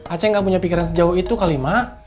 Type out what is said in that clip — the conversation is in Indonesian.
acing nggak punya pikiran sejauh itu kali mak